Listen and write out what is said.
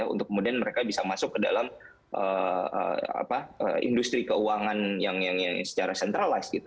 untuk kemudian mereka bisa masuk ke dalam industri keuangan yang secara centralized gitu